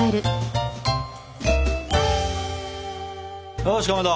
よしかまど。